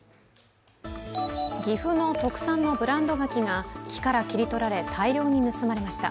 岐阜の特産のブランド柿が木から切り取られ大量に盗まれました。